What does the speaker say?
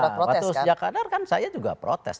nah waktu sejak adar kan saya juga protes